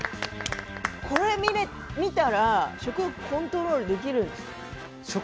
これを見たら食欲コントロールできるんですか。